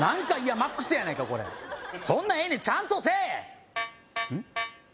マックスやないかこれそんなんええねんちゃんとせえうん？